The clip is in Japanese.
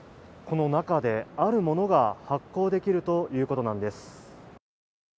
この中で、あるものが発行できるということなんです。